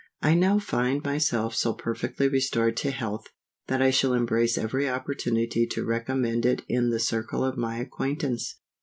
I now find myself so perfectly restored to health, that I shall embrace every opportunity to recommend it in the circle of my acquaintance.